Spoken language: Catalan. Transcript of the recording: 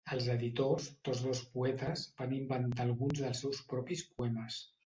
Els editors, tots dos poetes, van inventar alguns dels seus propis poemes.